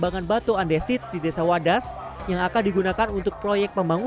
karena gini yang kita tahu itu adalah yang memang kebijakan untuk menentukan ipl itu